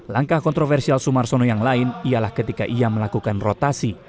langkah kontroversial sumarsono yang lain ialah ketika ia melakukan rotasi